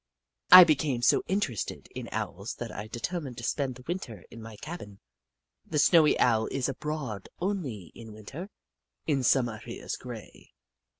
I became so interested in Owls that I deter mined to spend the Winter in my cabin. The Snowy Owl is abroad only in Winter — in Summer he is grey.